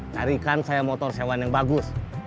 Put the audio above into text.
carikan saya motor hewan yang bagus